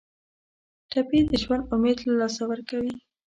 ټپي د ژوند امید له لاسه ورکوي.